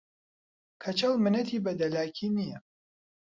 کەچەڵ منەتی بە دەلاکی نییە